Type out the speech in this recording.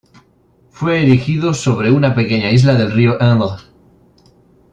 Fue erigido sobre una pequeña isla del río Indre.